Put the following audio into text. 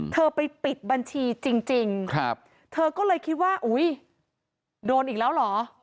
เธอไปปิดบัญชีจริงเธอก็เลยคิดว่าอุ้ยโดนอีกแล้วเหรอ